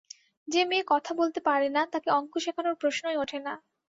যে-মেয়ে কথা বলতে পারে না, তাকে অঙ্ক শেখানোর প্রশ্নই ওঠে না।